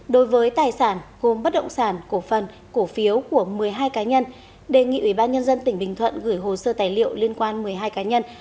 đối với tài sản gồm bất động sản cổ phần cổ phiếu của một mươi hai cá nhân đề nghị ubnd tp bình thuận gửi hồ sơ tài liệu liên quan một mươi hai cá nhân